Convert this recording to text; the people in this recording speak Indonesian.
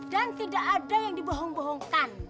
dan tidak ada yang dibohong bohongkan